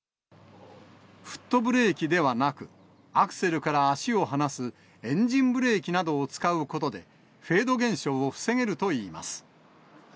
フットブレーキではなく、アクセルから足を離すエンジンブレーキなどを使うことで、フェード現象を防げるといいます。